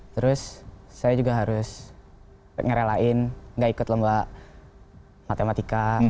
terus saya juga harus ngerelain nggak ikut lomba matematika